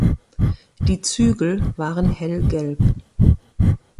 Die Zügel waren hellgelb.